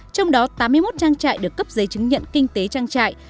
trong đó tám mươi một trang trại được cấp giấy chứng nhận kinh tế trang trại